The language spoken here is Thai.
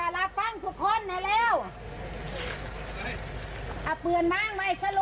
มาร่วงมา